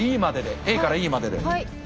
ＡからＥまでで。